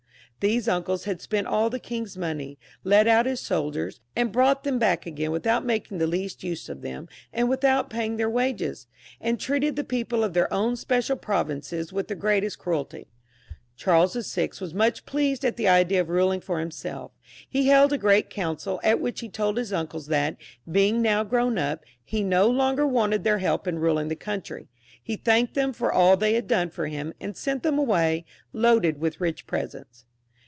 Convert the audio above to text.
These uncles had spent all the king's money, led out his soldiers, and brought them back again without making the least use of them, and without paying their 188 CHARLES VI. [CH. wages, and treated the people of their own special pro vinces with the greatest cruelty. Charles VL was much pleased at the idea of ruling for himself ; he held a great council, at which he told his uncles, that being now grown up, he no longer wanted their help in ruling the country ; he thanked them for all they had done for him, and sent them away loaded with rich presents.